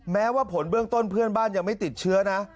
แม้ว่าผลเบื้องต้นเพื่อนบ้านยังไม่ติดเชื้อนะ